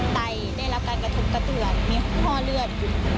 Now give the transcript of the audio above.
ไตได้รับการกระทบกระเถือนมีห้อเลือด